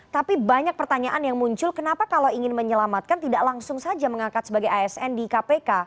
tapi banyak pertanyaan yang muncul kenapa kalau ingin menyelamatkan tidak langsung saja mengangkat sebagai asn di kpk